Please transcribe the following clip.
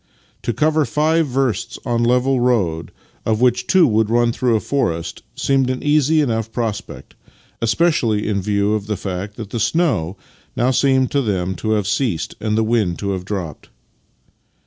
To cover five versts of level road, of which two would run through forest, seemed an easy enough prospect, especially in view of the fact that the snow now seemed to them to have ceased and the wind to have dropped.